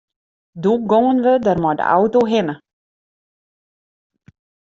Doe gongen we der mei de auto hinne.